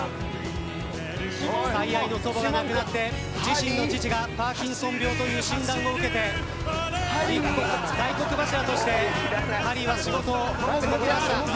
最愛の祖母が亡くなって自身の父がパーキンソン病という診断を受けて一家の大黒柱としてハリーは仕事をこなしてきました。